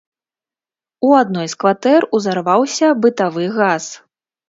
У адной з кватэр узарваўся бытавы газ.